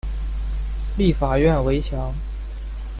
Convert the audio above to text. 立法院围墙